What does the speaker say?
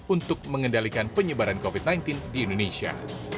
untuk mengendalikan penyebaran covid sembilan belas di indonesia